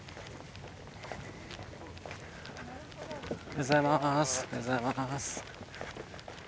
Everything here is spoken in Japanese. おはようございます。